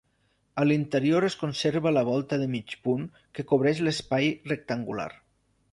A l'interior es conserva la volta de mig punt que cobreix l'espai rectangular.